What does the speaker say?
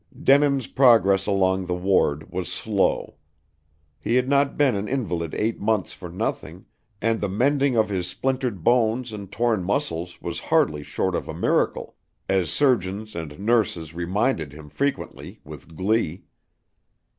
Denin's progress along the ward was slow. He had not been an invalid eight months for nothing, and the mending of his splintered bones and torn muscles was hardly short of a miracle, as surgeons and nurses reminded him frequently, with glee.